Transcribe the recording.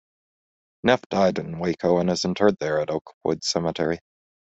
Neff died in Waco and is interred there at Oakwood Cemetery.